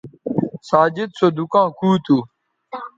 ساجد سو دُکاں کُو تھو